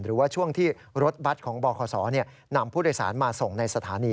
หรือว่าช่วงที่รถบัตรของบคศนำผู้โดยสารมาส่งในสถานี